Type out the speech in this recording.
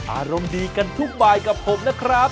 อารมณ์ดีกันทุกบายกับผมนะครับ